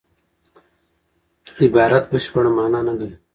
عبارت بشپړه مانا نه لري.